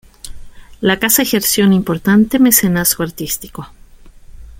La casa ejerció un importante mecenazgo artístico.